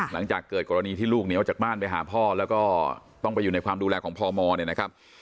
หลังจากเกิดกรณีที่ลูกเหนียวจากบ้านไปหาพ่อแล้วก็ต้องไปอยู่ในความดูแลของพมเนี่ยนะครับ